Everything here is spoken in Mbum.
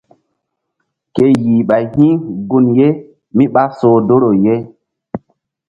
Ke yih ɓay hi̧ gun ye mí ɓá soh doro ye.